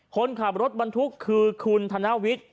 คนขับรถบรรทุกคือคุณธนวิทย์